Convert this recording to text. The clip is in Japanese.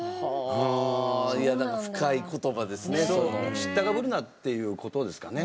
知ったかぶるなっていう事ですかね。